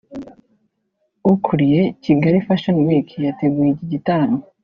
ukuriye Kigali Fashion Week yateguye iki gitaramo